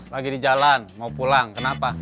lagi di jalan mau pulang kenapa